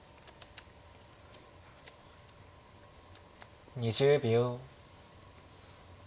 ２０秒。